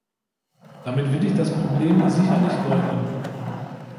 Damit will ich das Problem sicher nicht leugnen.